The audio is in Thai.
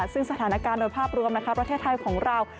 ซึ่งสถานการณ์โดยภาพรวมประเทศไทยของเรา